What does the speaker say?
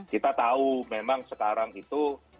kita tahu memang sekarang itu